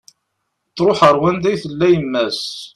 Truḥ ar wanda i tella yemma-s